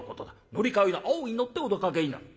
乗り換えの青に乗ってお出かけになる。